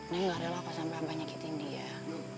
neng gak rela kok sampe abah nyakitin dia